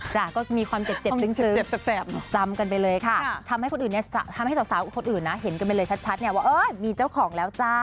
จ้ะก็มีความเจ็บซึ้งจำกันไปเลยค่ะทำให้สาวคนอื่นนะเห็นกันไปเลยชัดเนี่ยว่ามีเจ้าของแล้วจ้า